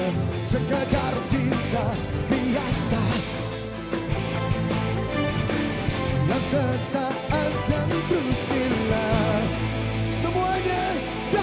menjadikan bintang di surga